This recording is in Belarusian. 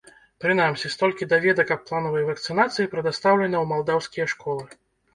Прынамсі, столькі даведак аб планавай вакцынацыі прадастаўлена ў малдаўскія школы.